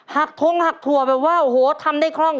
หักทงหักถั่วแบบว่าทำได้คล่อง